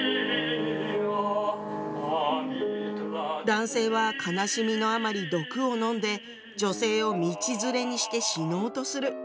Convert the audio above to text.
男性は悲しみのあまり毒を飲んで女性を道連れにして死のうとする。